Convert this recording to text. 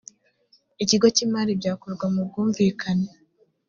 ikigo cy’ imari byakorwa mu bwumvikane